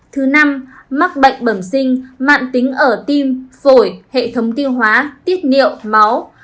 thứ năm mắc bệnh bẩm sinh mạng tính ở tim phổi hệ thống tiêu hóa tiết niệu máu